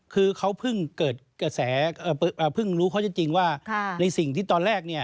คือเขาเพิ่งรู้เขาจริงว่าในสิ่งที่ตอนแรก